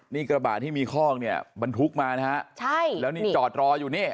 นี่กระบาดที่มีคล่องเนี้ยบันทุกข์มานะฮะใช่แล้วนี่จอดรออยู่เนี้ย